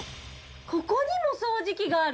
ここにも掃除機がある。